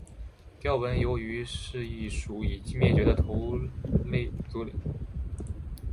雕纹鱿鱼是一属已灭绝的头足类。